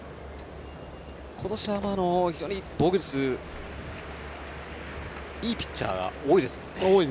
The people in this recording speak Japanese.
今年は非常に防御率がいいピッチャーが多いですね。